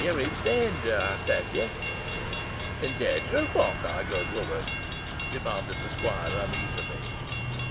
Yo're i' dawnger, ey tell ye." "In danger of what, my good woman?" demanded the squire uneasily.